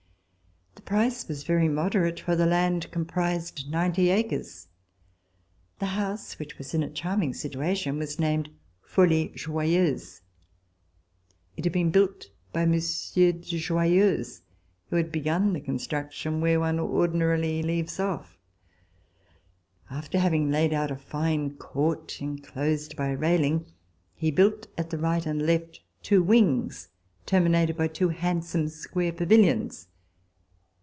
The price was very moderate, for the land comprised ninety acres. The house, which was in a charming situation, was named Folie Joyeuse. It had been built by a Monsieur de Joyeuse, who had begun the construction where one ordinarily leaves ofi^. After having laid out a fine court, enclosed by a railing, he built, at the right and left, two wings terminated by two handsome square pavilions.